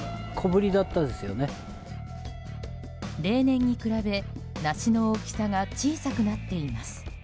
例年に比べ、梨の大きさが小さくなっています。